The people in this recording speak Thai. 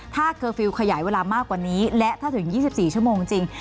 ถ้าเคอร์ฟิลล์ขยายเวลามากกว่านี้และถ้าถึง๒๔ชั่วโมงจริง